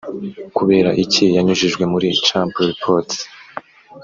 kubera iki yanyujijwe muri Chimpreports